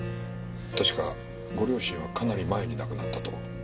確かご両親はかなり前に亡くなったと。